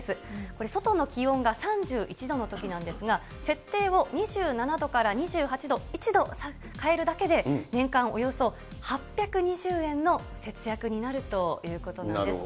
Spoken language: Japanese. これ、外の気温が３１度のときなんですが、設定を２７度から２８度、１度変えるだけで、年間およそ８２０円の節約になるということなんです。